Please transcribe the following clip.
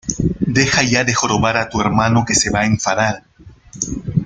Deja ya de jorobar a tu hermano que se va a enfadar